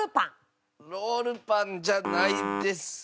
ロールパンじゃないです。